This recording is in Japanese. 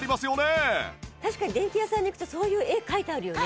確かに電器屋さんに行くとそういう絵描いてあるよね。